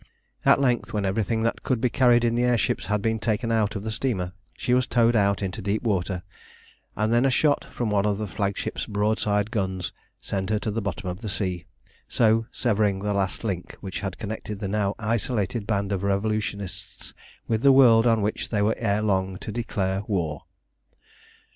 At length, when everything that could be carried in the air ships had been taken out of the steamer, she was towed out into deep water, and then a shot from one of the flagship's broadside guns sent her to the bottom of the sea, so severing the last link which had connected the now isolated band of revolutionists with the world on which they were ere long to declare war.